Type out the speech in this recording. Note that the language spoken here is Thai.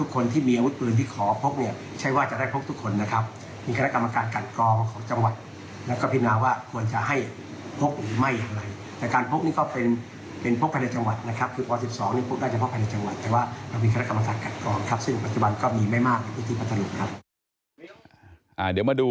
คือป๑๒ที่พบได้เฉพาะในจังหวัด